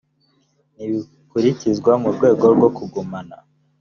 n ibikurikizwa mu rwego rwo kugumana